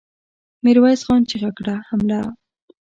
ميرويس خان چيغه کړه! حمله!